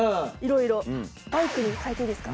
色々バイクに変えていいですか